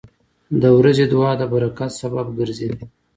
• د ورځې دعا د برکت سبب ګرځي.